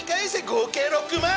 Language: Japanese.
合計６万。